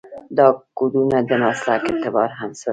دا کودونه د مسلک اعتبار هم ساتي.